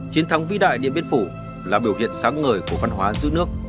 chiến thắng vĩ đại điện biên phủ là biểu hiện sáng ngời của văn hóa giữ nước